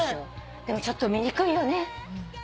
でもちょっと見にくいよね。